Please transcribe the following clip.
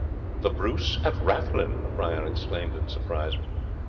"The Bruce at Rathlin!" the prior exclaimed, in surprise.